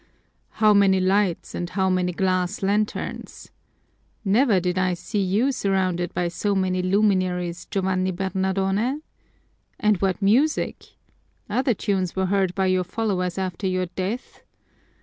How many lights and how many glass lanterns! Never did I see you surrounded by so many luminaries, Giovanni Bernardone! And what music! Other tunes were heard by your followers after your death!